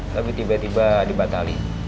tapi tiba tiba dibatali